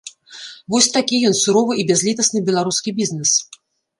Вось такі ён, суровы і бязлітасны беларускі бізнес!